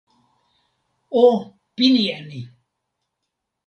o pini e ni!